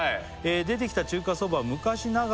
「出てきた中華そばは昔ながらの」